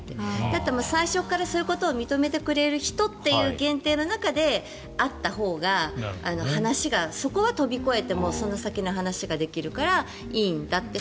だから最初からそういったことを認めてくれる人という限定の中で会ったほうが話がそこは飛び越えてその先の話ができるからいいんだって。